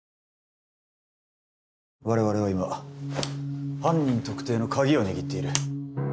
我々は今犯人特定のカギを握っている。